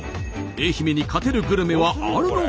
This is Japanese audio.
愛媛に勝てるグルメはあるのか？